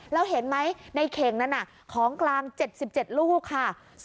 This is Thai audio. แล้วเห็นไหมในเข่งนั้นของกลาง๗๗ลูกค่ะ